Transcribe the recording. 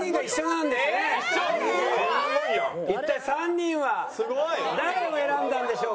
一体３人は誰を選んだんでしょうか？